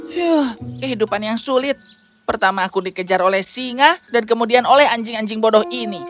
huh kehidupan yang sulit pertama aku dikejar oleh singa dan kemudian oleh anjing anjing bodoh ini